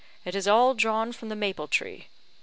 It is all drawn from the maple tree.